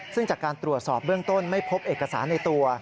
ซึ่งจากการตรวจสอบเบื้องต้นไม่พบเอกสารในตัว